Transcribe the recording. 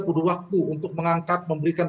butuh waktu untuk mengangkat memberikan